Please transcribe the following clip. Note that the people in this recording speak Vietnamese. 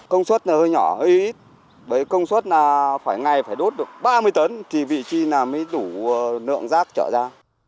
công suất hơi nhỏ hơi ít công suất phải ngày phải đốt được ba mươi tấn thì vị trí mới đủ lượng rác trở ra